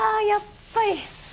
やっぱり。